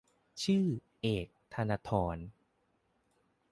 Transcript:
ชื่อ : เอก ธนาธร